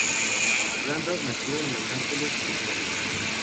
Randle nació en Los Ángeles, California.